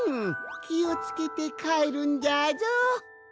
きをつけてかえるんじゃぞ。